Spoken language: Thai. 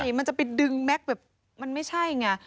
ใช่มันจะไปดึงแม็กซ์แบบมันไม่ใช่ไง